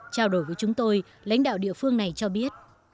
trao đổi với chúng tôi lãnh đạo địa phương này cho biết